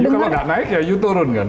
kalau nggak naik ya you turun kan